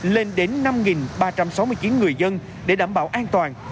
lên đến năm ba trăm sáu mươi chín người dân để đảm bảo an toàn